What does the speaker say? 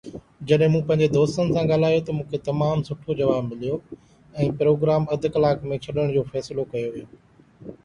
جڏهن مون پنهنجي دوستن سان ڳالهايو ته مون کي تمام سٺو جواب مليو ۽ پروگرام اڌ ڪلاڪ ۾ ڇڏڻ جو فيصلو ڪيو ويو.